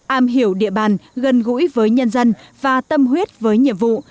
am hiểu địa bàn gần gũi với nhân dân và tâm huyết với nhiệm vụ